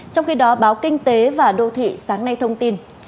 trong khi đó báo kinh tế và đô thị sáng nay thông tin